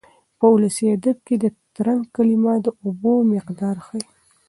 په ولسي ادب کې د ترنګ کلمه د اوبو مقدار ښيي.